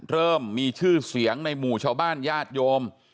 เริ่มมีชื่อเสียงในหมู่ชาวบ้านญาติโยม